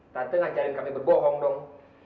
tante ngajarin kami berbohong dong